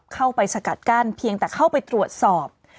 เข้าไปสกัดกั้นเพียงแต่เข้าไปตรวจสอบ